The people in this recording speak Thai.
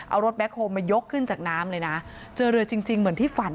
เอารถแคคโฮลมายกขึ้นจากน้ำเลยนะเจอเรือจริงจริงเหมือนที่ฝัน